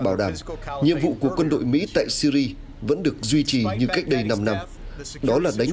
bảo đảm nhiệm vụ của quân đội mỹ tại syri vẫn được duy trì như cách đây năm năm đó là đánh